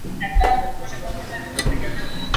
তিনি একমত ছিলেন না, সেইজন্য তাকে বিতর্কিত হতে হয়।